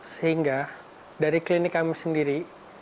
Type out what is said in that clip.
sehingga dari klinik kami sendiri